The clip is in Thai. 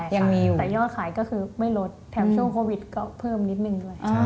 ยอดขายก็คือไม่ลดแถมช่วงโควิดก็เพิ่มนิดหนึ่ง